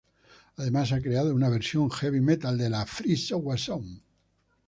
Además, ha creado una versión heavy metal de la "Free Software Song".